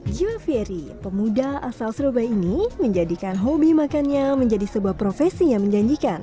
jiwa ferry pemuda asal surabaya ini menjadikan hobi makannya menjadi sebuah profesi yang menjanjikan